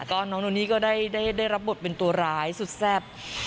ก็น้องโนนี่ก็ได้รับบทเป็นตัวร้ายสุดแซ่บ